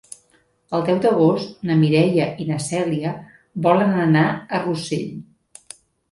El deu d'agost na Mireia i na Cèlia volen anar a Rossell.